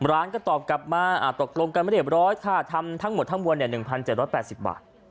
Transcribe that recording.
ร้านก็ตอบกลับมาตกลงกันไม่เรียบร้อยค่าทำทั้งหมดทั้งมวล๑๗๘๐บาท